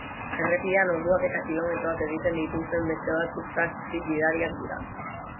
Errepidean orduak eta kilometroak egiten dituzten beste batzuk taxi gidariak dira.